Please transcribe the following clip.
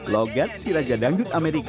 logat siraja dangdut amerika